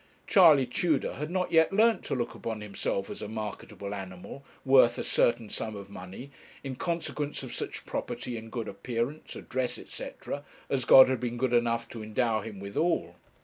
Charley Tudor had not yet learnt to look upon himself as a marketable animal, worth a certain sum of money, in consequence of such property in good appearance, address, &c., as God had been good enough to endow him withal.